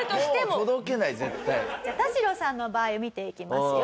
じゃあタシロさんの場合を見ていきますよ。